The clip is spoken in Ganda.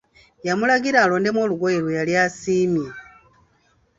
Yamulagira alondemu olugoye lwe yali asiimye.